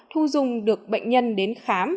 thu dung được bệnh nhân đến khám